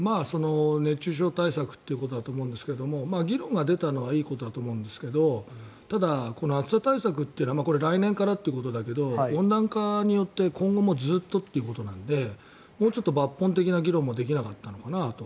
熱中症対策ということだと思うんですが議論が出たのはいいことだと思うんですけどただ、暑さ対策というのはこれは来年からということだけど温暖化によって今後もずっとということなのでもうちょっと抜本的な議論もできなかったのかなと。